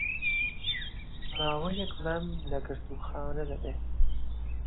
ماوەیەک مەم لە گرتووخانە دەبێ